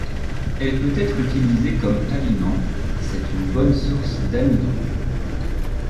Elle peut être utilisée comme aliment, C'est une bonne source d'amidon.